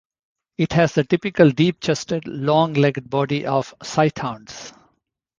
It has the typical deep-chested, long-legged body of sighthounds.